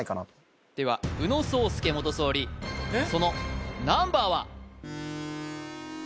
では宇野宗佑元総理そのナンバーは？